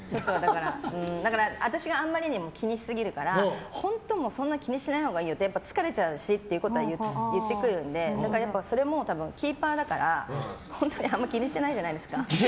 だから、私があまりにも気にしすぎるから本当にそんな気にしないほうがいいよ疲れちゃうしっていうことは言ってくるのでやっぱりそれもキーパーだから本当にあんまり気にしてないじゃないですか。